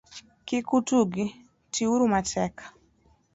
Kik utugi, ti uru matek.